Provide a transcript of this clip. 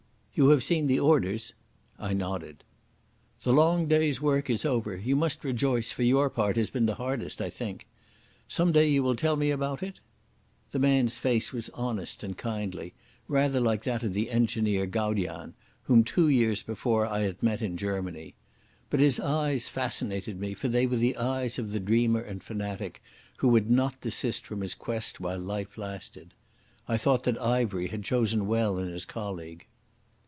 "You have seen the orders?" I nodded. "The long day's work is over. You must rejoice, for your part has been the hardest, I think. Some day you will tell me about it?" The man's face was honest and kindly, rather like that of the engineer Gaudian, whom two years before I had met in Germany. But his eyes fascinated me, for they were the eyes of the dreamer and fanatic, who would not desist from his quest while life lasted. I thought that Ivery had chosen well in his colleague.